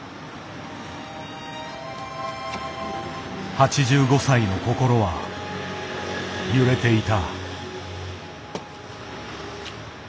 ８５歳の心は揺れていた。